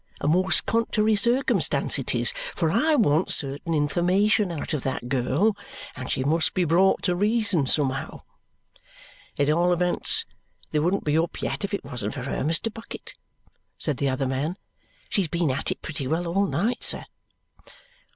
A most contrary circumstance it is, for I want certain information out of that girl, and she must be brought to reason somehow." "At all events, they wouldn't be up yet if it wasn't for her, Mr. Bucket," said the other man. "She's been at it pretty well all night, sir."